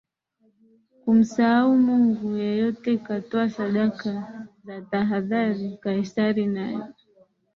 kumsahau mungu yeyote ikatoa sadaka za tahadhari Kaisari naye